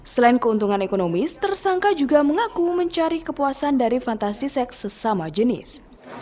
selain keuntungan ekonomis tersangka juga mengaku mencari kepuasan dari fantasi seks sesama jenis